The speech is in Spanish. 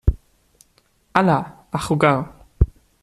hala, a jugar.